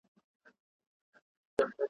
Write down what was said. دا سندري پردۍ نه دي حال مي خپل درته لیکمه `